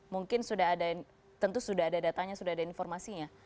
mungkin sudah ada tentu sudah ada datanya sudah ada informasinya